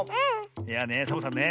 いやねサボさんね